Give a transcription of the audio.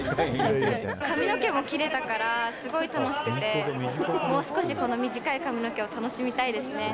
髪の毛を切れたからすごい楽しくてもう少しこの短い髪の毛を楽しみたいですね。